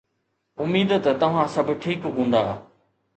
اميد ته توهان سڀ ٺيڪ هوندا.